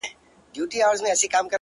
اوس په فلسفه باندي پوهېږمه.